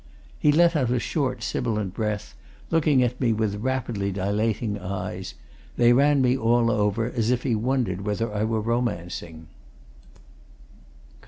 He let out a short, sibilant breath, looking at me with rapidly dilating eyes: they ran me all over, as if he wondered whether I were romancing.